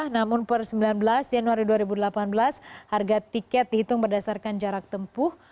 namun per sembilan belas januari dua ribu delapan belas harga tiket dihitung berdasarkan jarak tempuh